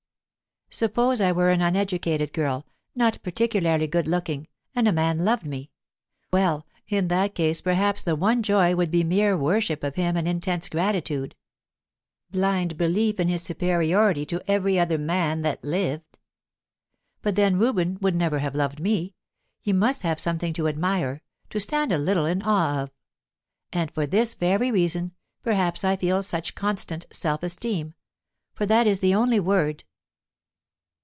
Suppose I were an uneducated girl, not particularly good looking, and a man loved me; well, in that case perhaps the one joy would be mere worship of him and intense gratitude blind belief in his superiority to every other man that lived. But then Reuben would never have loved me; he must have something to admire, to stand a little in awe of. And for this very reason, perhaps I feel such constant self esteem, for that is the only word."...